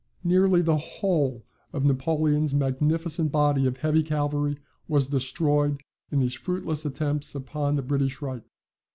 Nearly the whole of Napoleon's magnificent body of heavy cavalry was destroyed in these fruitless attempts upon the British right.